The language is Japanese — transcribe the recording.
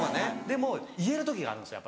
でも言える時があるんですよ